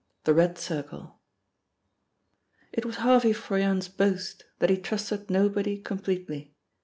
— THE RED CIRCLE IT was Harvey Froyant's boast that he trusted nobody completely.